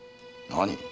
何？